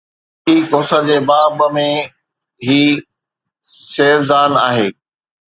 ساقي ڪوثر جي باب ۾ هي سيو زان آهي